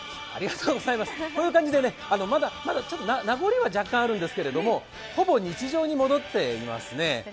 こういう感じで、まだ名残は若干あるんですけれども、ほぼ日常に戻っていますね。